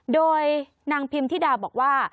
โดยนางพิมธิดาบอกว่า